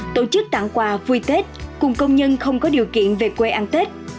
tổ chức tặng quà vui tết cùng công nhân không có điều kiện về quê ăn tết